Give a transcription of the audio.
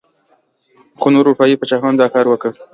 خو نورو اروپايي پاچاهانو دا کار وکړ.